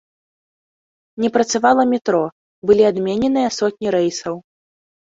Не працавала метро, былі адмененыя сотні рэйсаў.